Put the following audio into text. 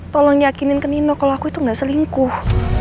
tolong yakinin ke nino kalau aku itu gak selingkuh